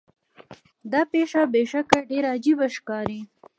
دا پیښه بې شکه ډیره عجیبه ښکاري.